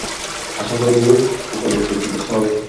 আশা করি ওর উপযুক্ত চিকিৎসা হবে।